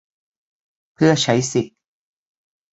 เพื่อใช้สิทธิ